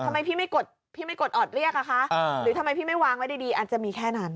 ทำไมพี่ไม่กดออดเรียกหรอค่ะหรือทำไมพี่ไม่วางไว้อาจจะมีแค่นั้น